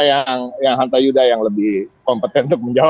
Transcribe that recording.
kayaknya mas hanta yudha yang lebih kompeten untuk menjawab itu